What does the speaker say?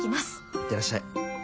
行ってらっしゃい。